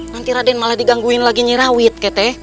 nanti raden malah digangguin lagi nyirawet